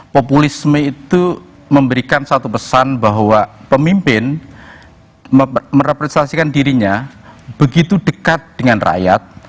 populisme itu memberikan satu pesan bahwa pemimpin merepresentasikan dirinya begitu dekat dengan rakyat